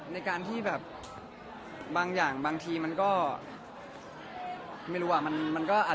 แต่วันนี้คุณแล้วสามารถคุยกันในฐานะเพื่อนได้